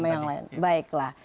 nama yang lain baiklah